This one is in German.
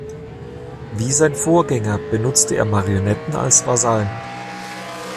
Wie sein Vorgänger benutzte er Marionetten als Vasallen.